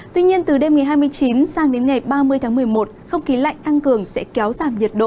tuy nhiên từ đêm ngày hai mươi chín sang đến ngày ba mươi tháng một mươi một không khí lạnh tăng cường sẽ kéo giảm nhiệt độ